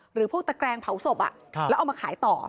หรือพวกตะแกรงเผาศพแล้วเอามาขายต่อ